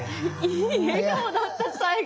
いい笑顔だった最後。